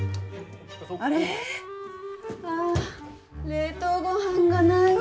冷凍ごはんがないわ。